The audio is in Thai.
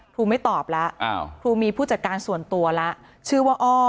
ครูไม่ตอบแล้วครูมีผู้จัดการส่วนตัวแล้วชื่อว่าอ้อ